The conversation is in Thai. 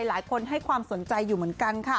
หลายคนให้ความสนใจอยู่เหมือนกันค่ะ